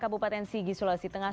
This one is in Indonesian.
kabupaten sigi sulawesi tengah